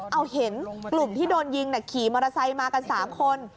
เอาเห็นกลุ่มที่โดนยิงขี่มอเตอร์ไซค์มากัน๓คน